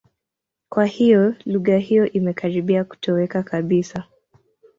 Kwa hiyo, lugha hiyo imekaribia kutoweka kabisa.